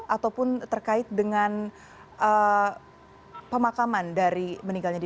ataupun terkait dengan pemakaman dari meninggalnya di